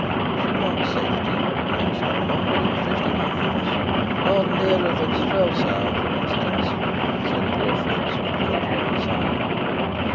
If you want safety, you must have none within fifty miles." "None nearer than Strelsau, for instance," said poor Fritz, with a lovelorn sigh.